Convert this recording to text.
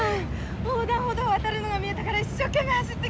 横断歩道渡るのが見えたから一生懸命走ってきたの。